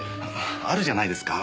あるじゃないですか。